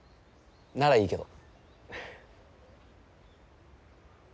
ならいいけど。